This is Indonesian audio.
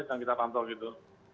sedang kita pantul gitu